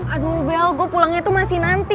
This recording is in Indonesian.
aduh bel gue pulangnya tuh masih nanti